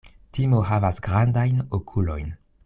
Timo havas grandajn okulojn.